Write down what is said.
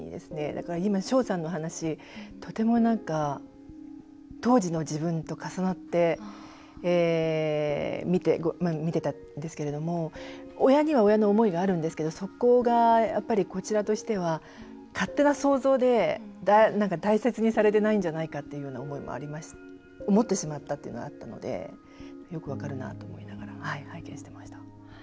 だから今、翔さんの話とても、なんか当時の自分と重なって見てたんですけれども親には親の思いがあるんですがそこがこちらとしては、勝手な想像で大切にされてないんじゃないかって思ってしまったというのもあったのでよく分かるなと思いながら拝見していました。